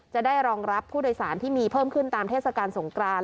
จะได้รองรับผู้โดยสารที่มีเพิ่มขึ้นตามเทศกาลสงกราน